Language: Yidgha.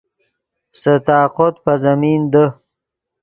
سے طاقوت پے زمین دے